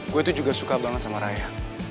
gue tuh juga suka banget sama raya